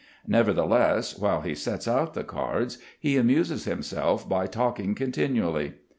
Nevertheless while he sets out the cards he amuses himself by talking continually.